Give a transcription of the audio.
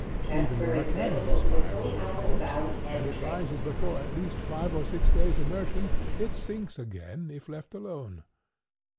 Even where a cannon is fired over a corpse, and it rises before at least five or six days' immersion, it sinks again, if let alone.